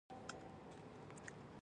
سمندري سنباد غریب سنباد ته طلا ورکړه.